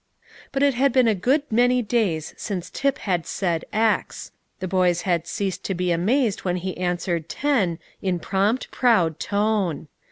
But it had been a good many days since Tip had said "x;" the boys had ceased to be amazed when he answered "ten" in prompt, proud tone.